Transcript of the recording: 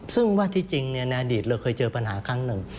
ซึ่งว่าที่จริงในอดีตเราเคยเจอปัญหาครั้งหนึ่ง